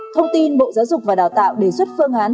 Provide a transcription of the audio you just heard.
thông tin bộ giáo dục và đào tạo đề xuất phương án